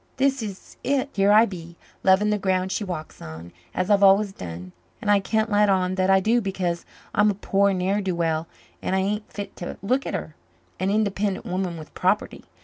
This is it. Here I be, loving the ground she walks on, as I've always done, and I can't let on that I do because I'm a poor ne'er do well as ain't fit to look at her, an independent woman with property.